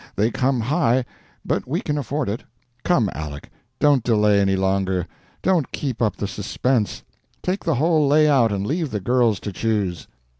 They come high, but we can afford it. Come, Aleck, don't delay any longer, don't keep up the suspense: take the whole lay out, and leave the girls to choose!"